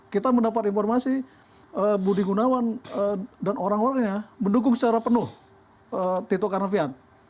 kita mendapat informasi budi gunawan dan orang orangnya mendukung secara penuh tito karnavian